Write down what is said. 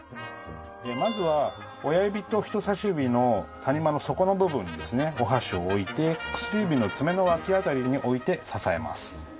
まずは親指と人さし指の谷間の底の部分にですねお箸を置いて薬指の爪の脇辺りに置いて支えます。